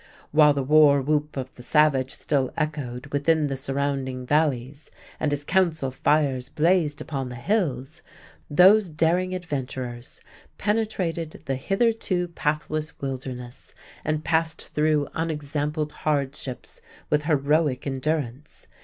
While the war whoop of the savage still echoed within the surrounding valleys and his council fires blazed upon the hills, those daring adventurers penetrated the hitherto pathless wilderness and passed through unexampled hardships with heroic endurance.